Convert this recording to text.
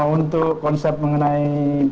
untuk konsep mengenai